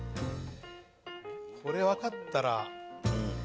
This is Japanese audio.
これ分かったら。